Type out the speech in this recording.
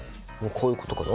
こういうことかな？